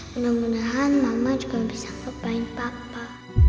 mudah mudahan mama juga bisa ngeprahin papa